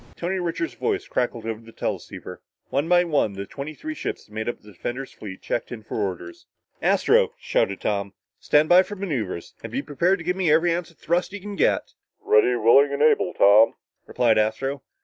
Tony Richards' voice crackled over the teleceiver. One by one the twenty three ships that made up the defender's fleet checked in for orders. "Astro," shouted Tom, "stand by for maneuver and be prepared to give me every ounce of thrust you can get!" "Ready, willing and able, Tom," replied Astro.